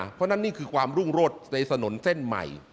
เพราะฉะนั้นนี่คือความรุ่งโรดในถนนเส้นใหม่